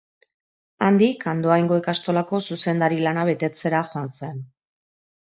Handik, Andoaingo ikastolako zuzendari lana betetzera joan zen.